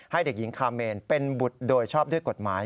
เด็กหญิงคาเมนเป็นบุตรโดยชอบด้วยกฎหมาย